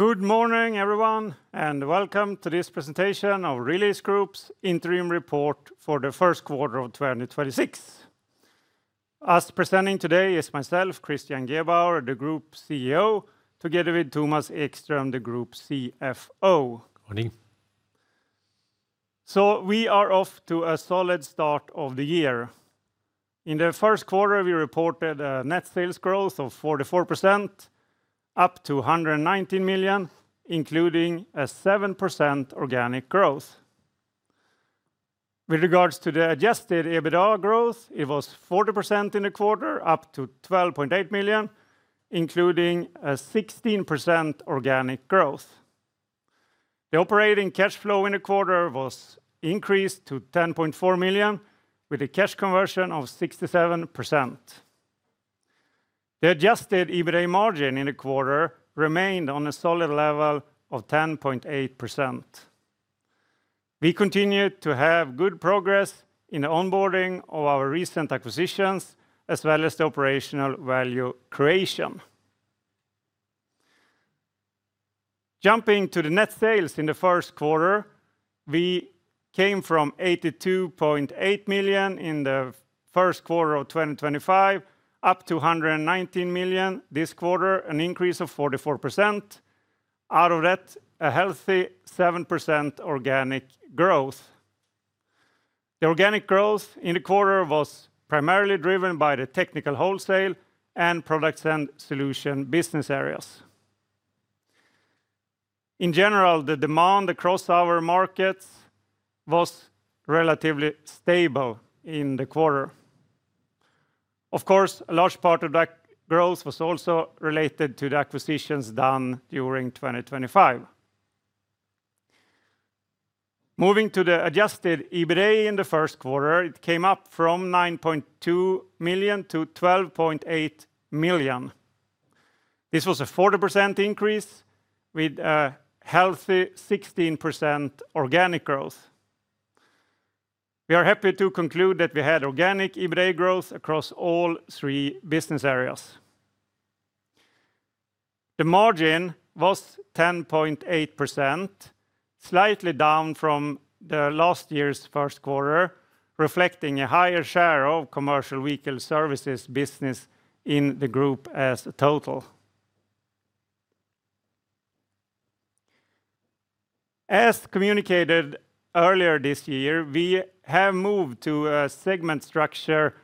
Good morning, everyone, and welcome to this presentation of Relais Group's interim report for the Q1 of 2026. Us presenting today is myself, Christian Gebauer, the Group CEO, together with Thomas Ekström, the Group CFO. Morning. We are off to a solid start of the year. In the Q1, we reported net sales growth of 44%, up to 119 million, including a 7% organic growth. With regards to the adjusted EBITDA growth, it was 40% in the quarter, up to 12.8 million, including a 16% organic growth. The operating cash flow in the quarter was increased to 10.4 million, with a cash conversion of 67%. The adjusted EBITA margin in the quarter remained on a solid level of 10.8%. We continued to have good progress in the onboarding of our recent acquisitions as well as the operational value creation. Jumping to the net sales in the Q1, we came from 82.8 million in the Q1 of 2025, up to 119 million this quarter, an increase of 44%. Out of that, a healthy 7% organic growth. The organic growth in the quarter was primarily driven by the technical wholesale and products and solutions business areas. In general, the demand across our markets was relatively stable in the quarter. Of course, a large part of that growth was also related to the acquisitions done during 2025. Moving to the adjusted EBITA in the Q1, it came up from 9.2 million-12.8 million. This was a 40% increase with a healthy 16% organic growth. We are happy to conclude that we had organic EBITA growth across all three business areas. The margin was 10.8%, slightly down from the last year's Q1, reflecting a higher share of commercial vehicle services business in the group as a total. As communicated earlier this year, we have moved to a segment structure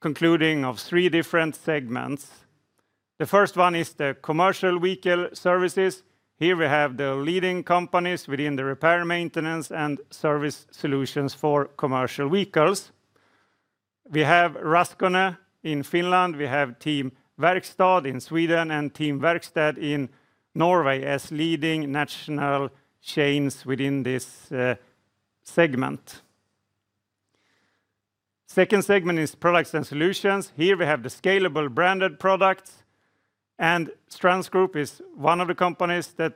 concluding of three different segments. The first one is the Commercial Vehicle Services. Here, we have the leading companies within the repair, maintenance, and service solutions for commercial vehicles. We have Raskone in Finland, we have Team Verkstad in Sweden, and Team Verksted in Norway as leading national chains within this segment. Second segment is Products and Solutions. Here, we have the scalable branded products, and Strands Group is one of the companies that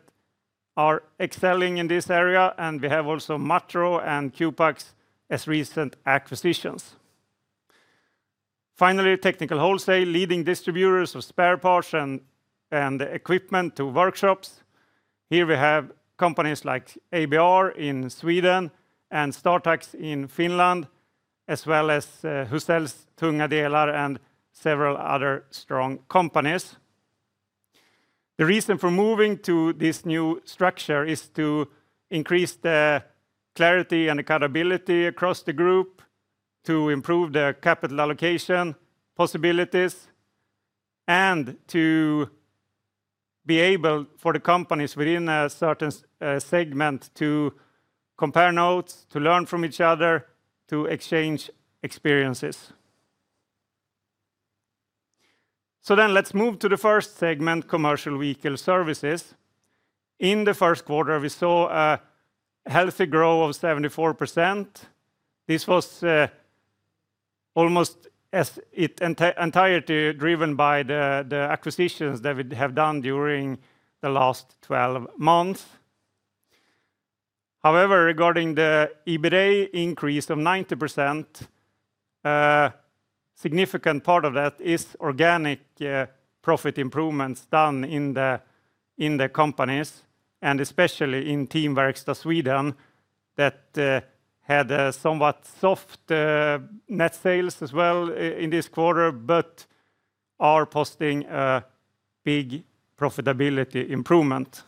are excelling in this area, and we have also Matro and Qpax as recent acquisitions. Finally, Technical Wholesale, leading distributors of spare parts and equipment to workshops. Here, we have companies like ABR in Sweden and Startax in Finland, as well as Huzells Tunga Delar and several other strong companies. The reason for moving to this new structure is to increase the clarity and accountability across the group, to improve the capital allocation possibilities, and to be able, for the companies within a certain segment, to compare notes, to learn from each other, to exchange experiences. Let's move to the first segment, commercial vehicle services. In the Q1, we saw a healthy growth of 74%. This was almost as it entirely driven by the acquisitions that we have done during the last 12 months. Regarding the EBITA increase of 90%, a significant part of that is organic profit improvements done in the companies, and especially in Team Verkstad Sweden that had a somewhat soft net sales as well in this quarter but are posting a big profitability improvement.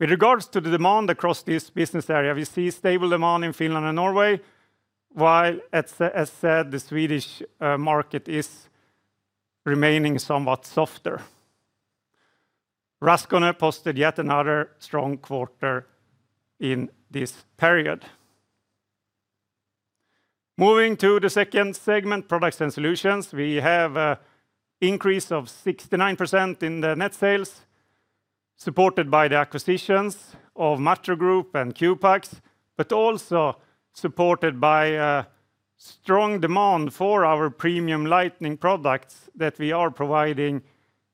With regards to the demand across this business area, we see stable demand in Finland and Norway, while, as said, the Swedish market is remaining somewhat softer. Raskone posted yet another strong quarter in this period. Moving to the second segment, products and solutions, we have a increase of 69% in the net sales, supported by the acquisitions of Matro Group and Qpax, but also supported by a strong demand for our premium lighting products that we are providing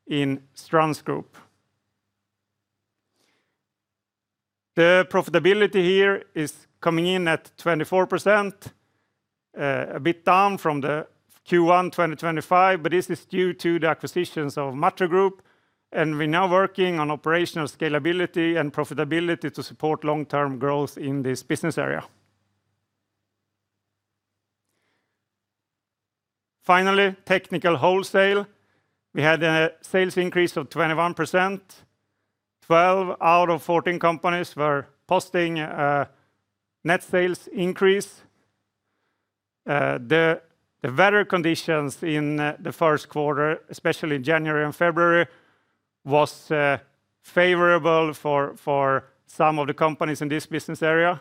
in Strands Group. The profitability here is coming in at 24%. A bit down from the Q1 2025, this is due to the acquisitions of Matro Group, we're now working on operational scalability and profitability to support long-term growth in this business area. Finally, technical wholesale. We had a sales increase of 21%. 12 out of 14 companies were posting net sales increase. The weather conditions in the Q1, especially January and February, was favorable for some of the companies in this business area.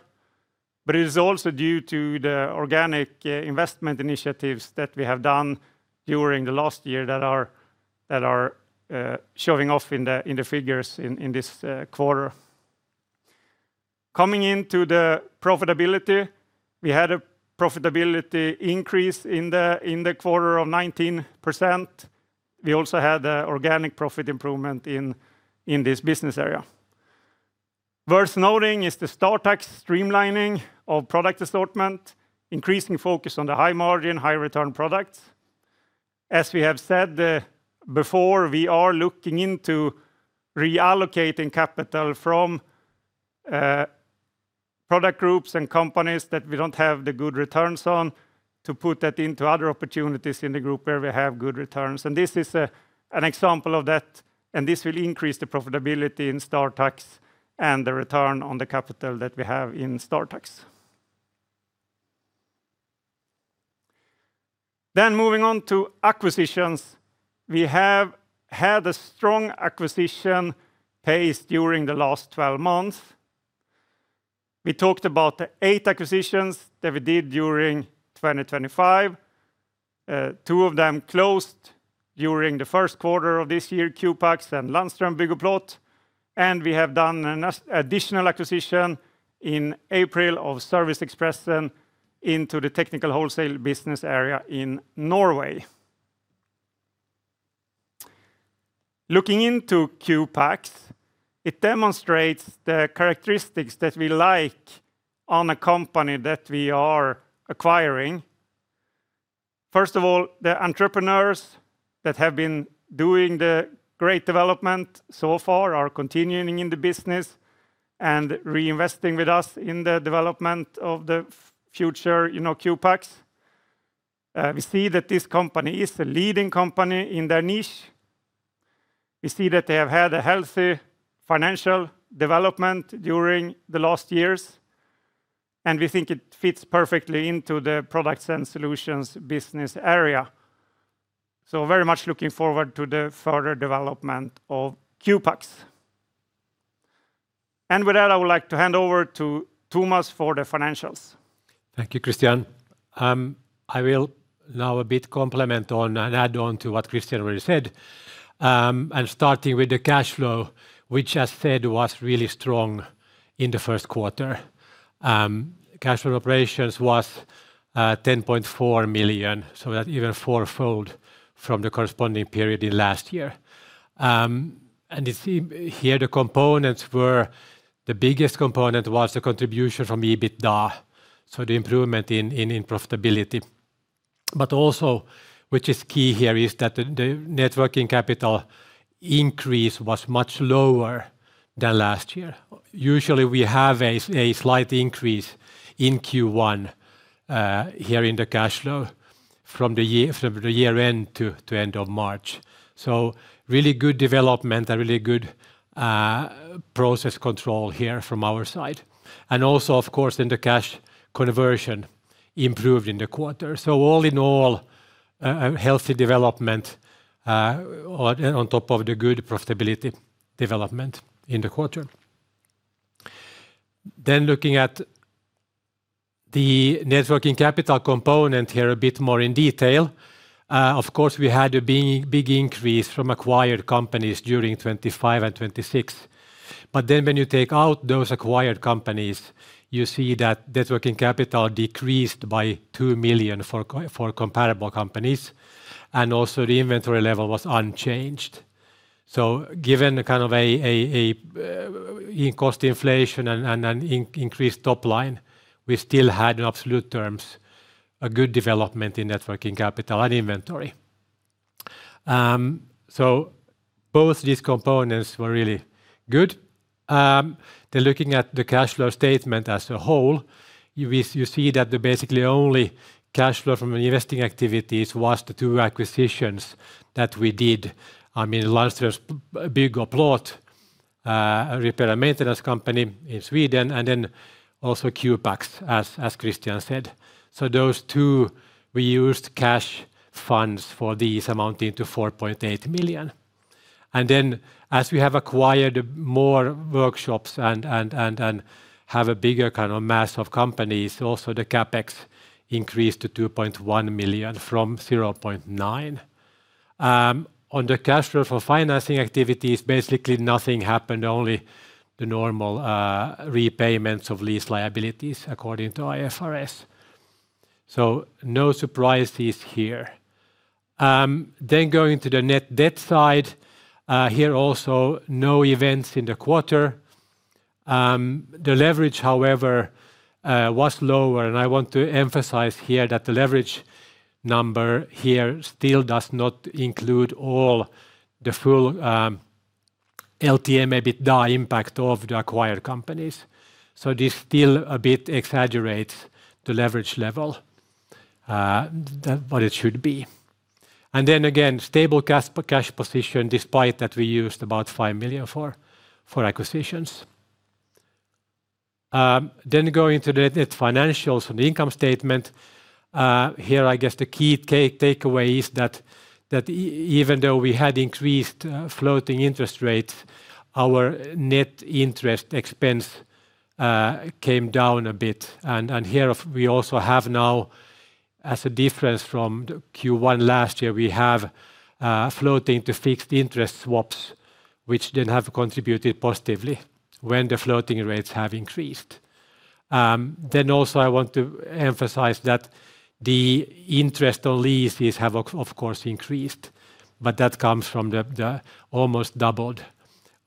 It is also due to the organic investment initiatives that we have done during the last year that are showing off in the figures in this quarter. Coming into the profitability, we had a profitability increase in the quarter of 19%. We also had a organic profit improvement in this business area. Worth noting is the Startax streamlining of product assortment, increasing focus on the high-margin, high-return products. As we have said, before, we are looking into reallocating capital from product groups and companies that we don't have the good returns on to put that into other opportunities in the group where we have good returns, and this is an example of that, and this will increase the profitability in Startax and the return on the capital that we have in Startax. Moving on to acquisitions. We have had a strong acquisition pace during the last 12 months. We talked about the eight acquisitions that we did during 2025. Two of them closed during the Q1 of this year, Qpax and Lundströms Bygg & Plåt i Gällivare AB, and we have done an additional acquisition in April of Service-Ekspressen AS into the technical wholesale business area in Norway. Looking into Qpax, it demonstrates the characteristics that we like on a company that we are acquiring. First of all, the entrepreneurs that have been doing the great development so far are continuing in the business and reinvesting with us in the development of the future, you know, Qpax. We see that this company is the leading company in their niche. We see that they have had a healthy financial development during the last years, and we think it fits perfectly into the products and solutions. Very much looking forward to the further development of Qpax. With that, I would like to hand over to Thomas for the financials. Thank you, Christian. I will now a bit complement on and add on to what Christian already said. Starting with the cash flow, which I said was really strong in the Q1. Cash flow operations was 10.4 million, that even fourfold from the corresponding period in last year. It's seen here the biggest component was the contribution from EBITDA, the improvement in profitability. Also, which is key here, is that the net working capital increase was much lower than last year. Usually, we have a slight increase in Q1 here in the cash flow from the year-end to end of March. Really good development and really good process control here from our side. Of course, in the cash conversion improved in the quarter. All in all, a healthy development on top of the good profitability development in the quarter. Looking at the net working capital component here a bit more in detail. Of course, we had a big increase from acquired companies during 2025 and 2026. When you take out those acquired companies, you see that net working capital decreased by 2 million for comparable companies, and also the inventory level was unchanged. Given the kind of a in cost inflation and an increased top line, we still had in absolute terms a good development in net working capital and inventory. Both these components were really good. Looking at the cash flow statement as a whole, you see that the only cash flow from investing activities was the two acquisitions that we did. Lundström Bygg och Plåt, a repair and maintenance company in Sweden, and also Qpax, as Christian said. Those two, we used cash funds for these amounting to 4.8 million. As we have acquired more workshops and have a bigger kind of mass of companies, also the CapEx increased to 2.1 million from 0.9 million. On the cash flow for financing activities, basically nothing happened, only the normal repayments of lease liabilities according to IFRS. No surprises here. Going to the net debt side, here also no events in the quarter. The leverage, however, was lower. I want to emphasize here that the leverage number here still does not include all the full LTM EBITDA impact of the acquired companies. This still a bit exaggerates the leverage level than what it should be. Again, stable cash position despite that we used about 5 million for acquisitions. Going to the financials and the income statement. Here I guess the key takeaway is that even though we had increased floating interest rates, our net interest expense came down a bit. Here of we also have now, as a difference from Q1 last year, we have floating to fixed interest swaps, which then have contributed positively when the floating rates have increased. Also I want to emphasize that the interest on leases have of course increased, but that comes from the almost doubled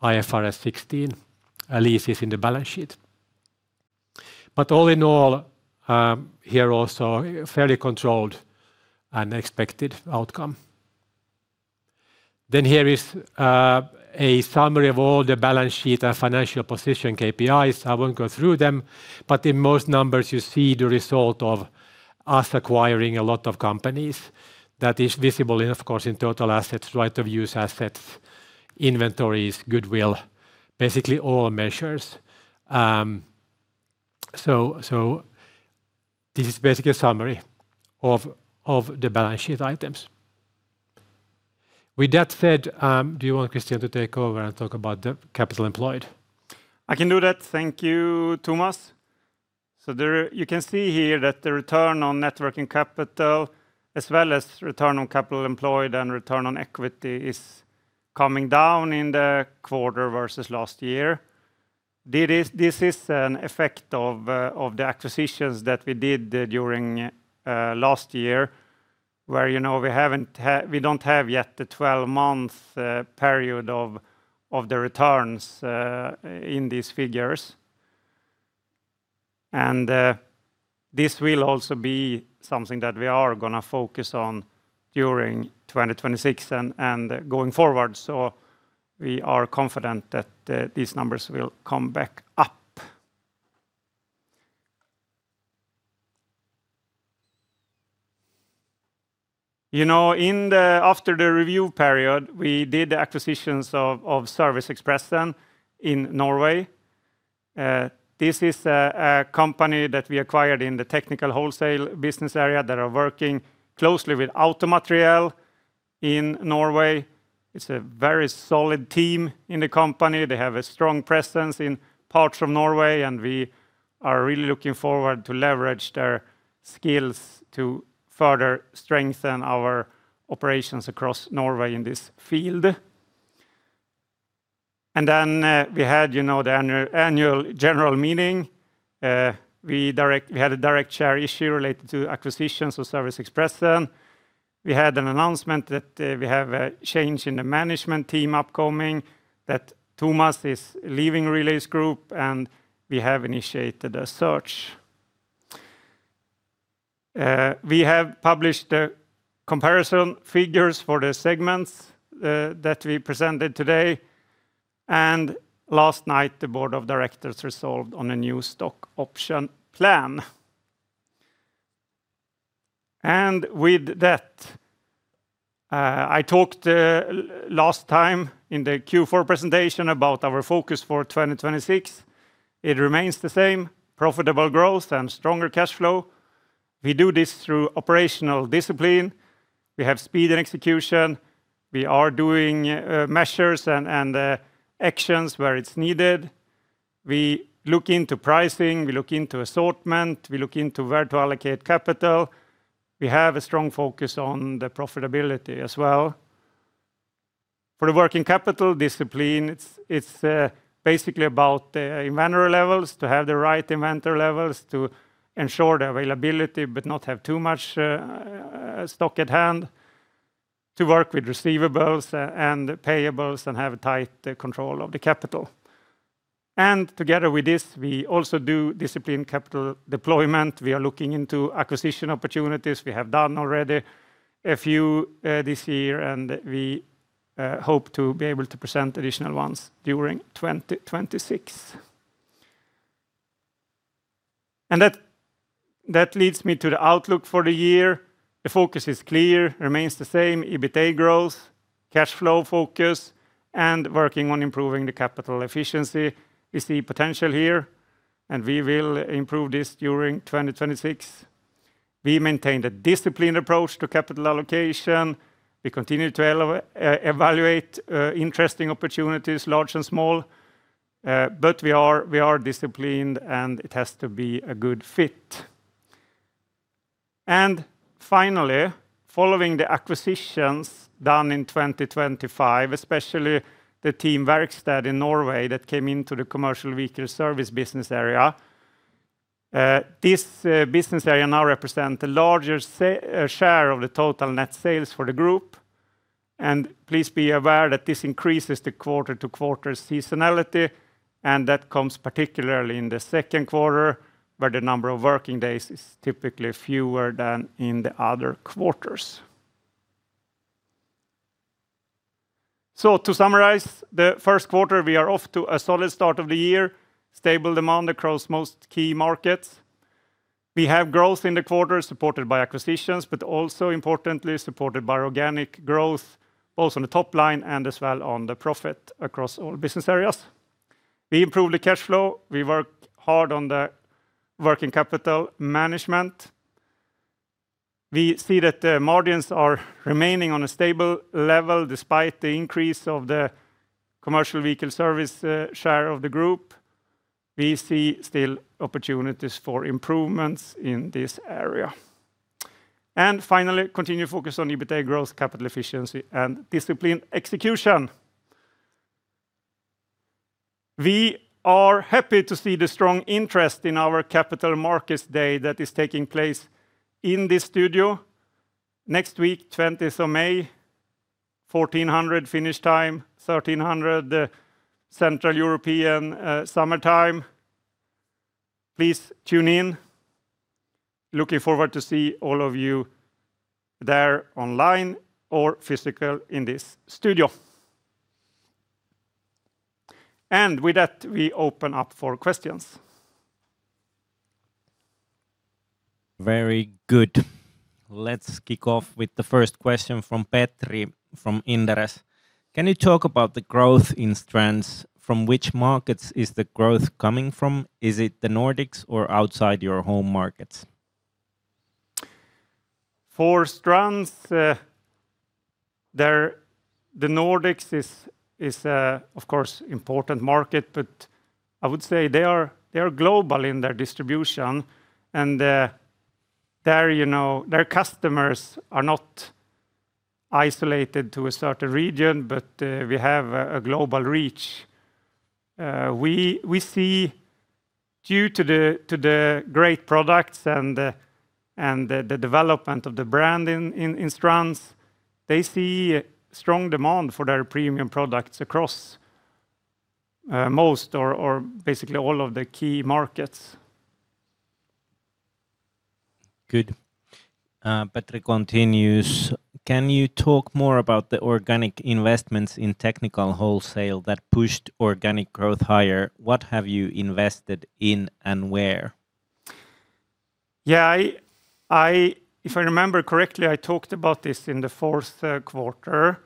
IFRS 16 leases in the balance sheet. All in all, here also fairly controlled and expected outcome. Here is a summary of all the balance sheet and financial position KPIs. I won't go through them, but in most numbers you see the result of us acquiring a lot of companies. That is visible in, of course, in total assets, right of use assets, inventories, goodwill, basically all measures. So this is basically a summary of the balance sheet items. With that said, do you want Christian to take over and talk about the capital employed? I can do that. Thank you, Thomas. There you can see here that the Return on Net Working Capital, as well as Return on Capital Employed and Return on Equity, is coming down in the quarter versus last year. This is an effect of the acquisitions that we did during last year, where, you know, we don't have yet the 12-month period of the returns in these figures. This will also be something that we are going to focus on during 2026 and going forward, we are confident that these numbers will come back up. You know, in the after the review period, we did acquisitions of Service-Ekspressen AS in Norway. This is a company that we acquired in the technical wholesale business area that are working closely with AutoMateriell in Norway. It's a very solid team in the company. They have a strong presence in parts from Norway, and we are really looking forward to leverage their skills to further strengthen our operations across Norway in this field. Then, you know, the annual general meeting. We had a direct share issue related to acquisitions of Service-Ekspressen AS. We had an announcement that we have a change in the management team upcoming, that Thomas is leaving Relais Group and we have initiated a search. We have published the comparison figures for the segments that we presented today. Last night, the board of directors resolved on a new stock option plan. With that, I talked last time in the Q4 presentation about our focus for 2026. It remains the same: profitable growth and stronger cash flow. We do this through operational discipline. We have speed and execution. We are doing measures and actions where it's needed. We look into pricing. We look into assortment. We look into where to allocate capital. We have a strong focus on the profitability as well. For the working capital discipline, it's basically about the inventory levels, to have the right inventory levels, to ensure the availability, but not have too much stock at hand, to work with receivables and payables, and have tight control of the capital. Together with this, we also do disciplined capital deployment. We are looking into acquisition opportunities. We have done already a few this year. We hope to be able to present additional ones during 2026. That leads me to the outlook for the year. The focus is clear, remains the same. EBITA growth, cash flow focus, and working on improving the capital efficiency is the potential here, and we will improve this during 2026. We maintain a disciplined approach to capital allocation. We continue to evaluate interesting opportunities, large and small. We are disciplined, and it has to be a good fit. Finally, following the acquisitions done in 2025, especially the Team Verksted in Norway that came into the commercial vehicle services business area. This business area now represent the larger share of the total net sales for the group. Please be aware that this increases the quarter-to-quarter seasonality, and that comes particularly in the Q2, where the number of working days is typically fewer than in the other quarters. To summarize the Q1, we are off to a solid start of the year, stable demand across most key markets. We have growth in the quarter supported by acquisitions, but also importantly supported by organic growth both on the top line and as well on the profit across all business areas. We improve the cash flow. We work hard on the working capital management. We see that the margins are remaining on a stable level despite the increase of the commercial vehicle service share of the group. We see still opportunities for improvements in this area. Finally, continue focus on EBITA growth, capital efficiency and disciplined execution. We are happy to see the strong interest in our Capital Markets Day that is taking place in this studio next week, May 20th, 14:00 Finnish time, 13:00 Central European summertime. Please tune in. Looking forward to see all of you there online or physical in this studio. With that, we open up for questions. Very good. Let's kick off with the first question from Petri from Inderes. Can you talk about the growth in Strands? From which markets is the growth coming from? Is it the Nordics or outside your home markets? For Strands, the Nordics is of course, important market. I would say they are global in their distribution and, you know, their customers are not isolated to a certain region, but we have a global reach. We see due to the great products and the development of the brand in Strands, they see strong demand for their premium products across most or basically all of the key markets. Good. Petri continues: Can you talk more about the organic investments in technical wholesale that pushed organic growth higher? What have you invested in and where? Yeah, I, if I remember correctly, I talked about this in the Q4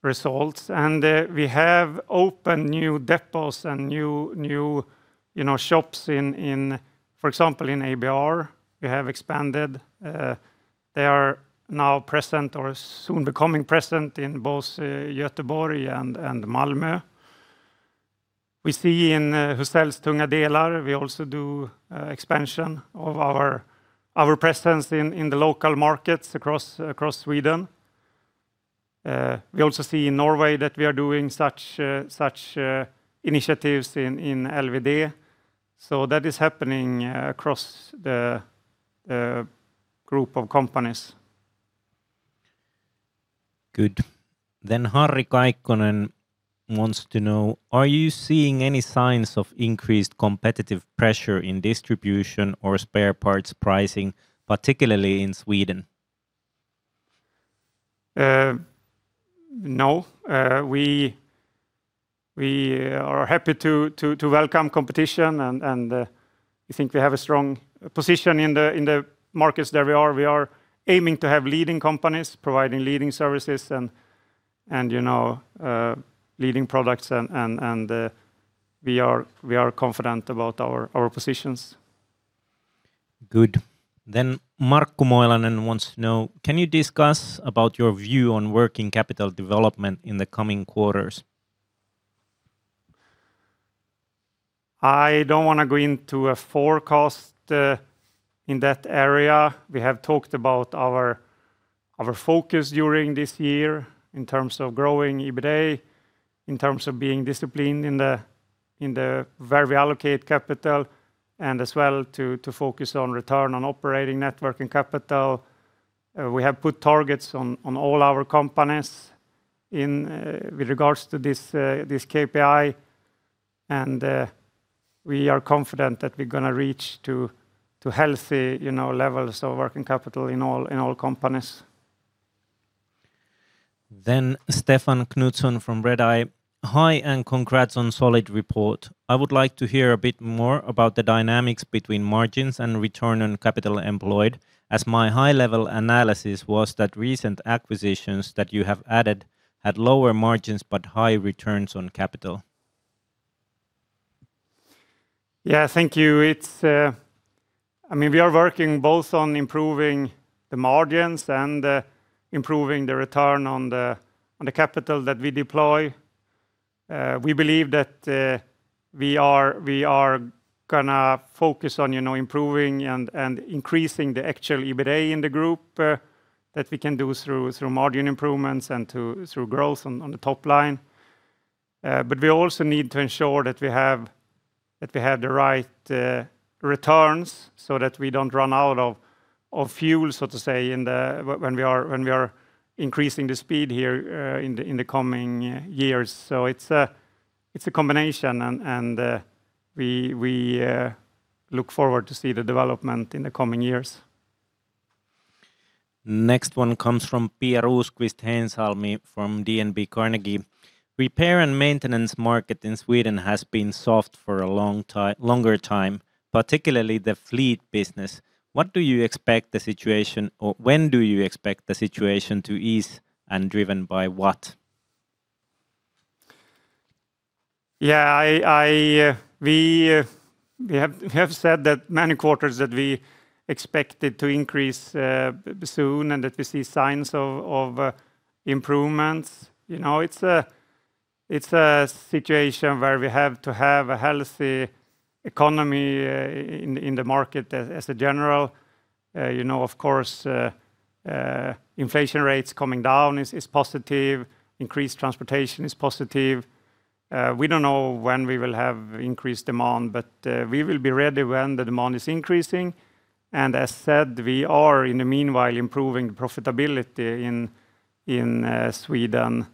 results. We have opened new depots and new, you know, shops in, for example, in ABR, we have expanded. They are now present or soon becoming present in both Göteborg and Malmö. We see in Huzells Tunga Delar, we also do expansion of our presence in the local markets across Sweden. We also see in Norway that we are doing such initiatives in LVD. That is happening across the group of companies. Good. Harri Kaikkonen wants to know, are you seeing any signs of increased competitive pressure in distribution or spare parts pricing, particularly in Sweden? No. We are happy to welcome competition and we think we have a strong position in the markets that we are. We are aiming to have leading companies providing leading services and, you know, leading products and we are confident about our positions. Good. Markku Moilanen wants to know, can you discuss about your view on working capital development in the coming quarters? I don't wanna go into a forecast in that area. We have talked about our focus during this year in terms of growing EBITA, in terms of being disciplined in the where we allocate capital and as well to focus on Return on Net Working Capital. We have put targets on all our companies in with regards to this KPI, and we are confident that we're gonna reach to healthy, you know, levels of working capital in all companies. Hi, and congrats on solid report. I would like to hear a bit more about the dynamics between margins and return on capital employed, as my high-level analysis was that recent acquisitions that you have added had lower margins but high returns on capital. Thank you. I mean, we are working both on improving the margins and improving the return on the capital that we deploy. We believe that we are gonna focus on, you know, improving and increasing the actual EBITA in the group that we can do through margin improvements and through growth on the top line. We also need to ensure that we have the right returns so that we don't run out of fuel, so to say, when we are increasing the speed here in the coming years. It's a combination and we look forward to see the development in the coming years. Next one comes from Pia Rosqvist-Heinsalmi from DNB Carnegie. Repair and maintenance market in Sweden has been soft for a longer time, particularly the fleet business. What do you expect the situation or when do you expect the situation to ease and driven by what? Yeah, we have said that many quarters that we expected to increase soon, and that we see signs of improvements. You know, it's a situation where we have to have a healthy economy in the market as a general. You know, of course, inflation rates coming down is positive, increased transportation is positive. We don't know when we will have increased demand, but we will be ready when the demand is increasing. As said, we are in the meanwhile improving profitability in Sweden.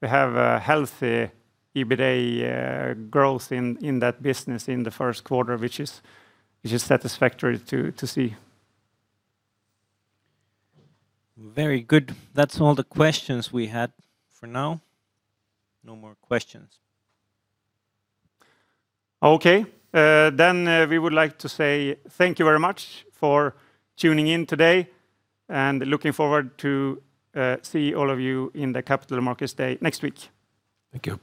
We have a healthy EBITA growth in that business in the Q1, which is satisfactory to see. Very good. That's all the questions we had for now. No more questions. Okay. We would like to say thank you very much for tuning in today and looking forward to see all of you in the Capital Markets Day next week. Thank you.